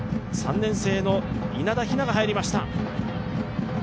３年生の稲田雛が入りました。